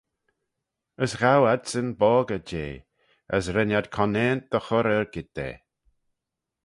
As ghow adsyn boggey jeh, as ren ad conaant dy chur argid da.